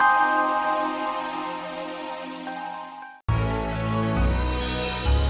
ya terkutaya terkutaya